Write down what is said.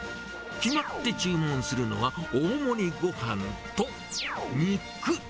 決まって注文するのは、大盛りごはんと肉。